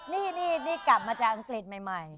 นี่กลับมาจากอังกฤษใหม่